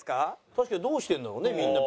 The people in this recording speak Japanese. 確かにどうしてるんだろうねみんな。